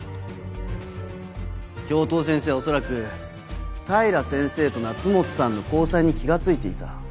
教頭先生は恐らく平先生と夏本さんの交際に気が付いていた。